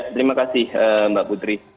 terima kasih mbak putri